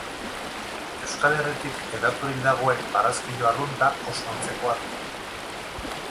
Euskal Herritik hedaturik dagoen barraskilo arrunta oso antzekoa du.